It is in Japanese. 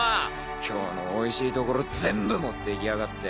今日のおいしいところ全部持っていきやがって。